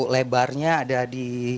lebarnya ada di